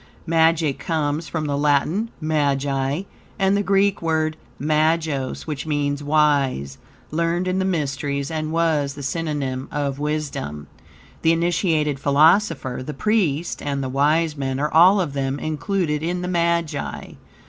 Magic comes from the Latin "magi" and the Greek word "magos," which means wise, learned in the mysteries, and was the synonym of wisdom. The initiated philosopher, the priest, and the wise men, are all of them included in the "magi."